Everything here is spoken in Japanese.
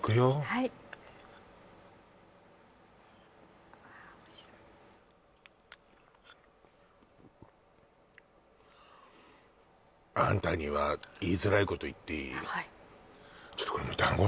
はいあんたには言いづらいこと言っていい？